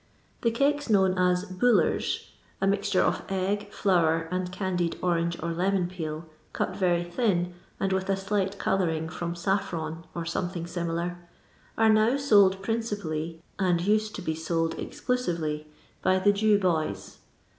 The cakes known as " boolers "— a mixture of egg, flour, and candied orange or lemon peel, cut very thin, and with a flight colouring from saffron or something similar — are nowsold principally, and used to be sold exclu sively, by the Jew boys.